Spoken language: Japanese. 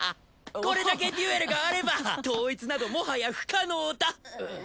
これだけデュエルがあれば統一などもはや不可能だ。